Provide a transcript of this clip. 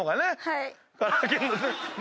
はい。